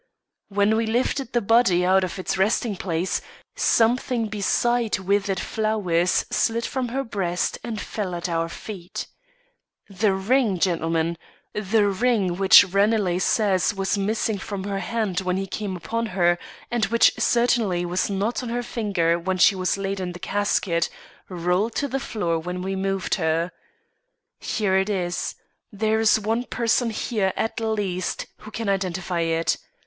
When we lifted the body out of its resting place, something beside withered flowers slid from her breast and fell at our feet. The ring, gentlemen the ring which Ranelagh says was missing from her hand when he came upon her, and which certainly was not on her finger when she was laid in the casket, rolled to the floor when we moved her. Here it is; there is one person here, at least, who can identify it.